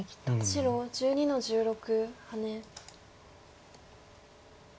白１２の十六ハネ。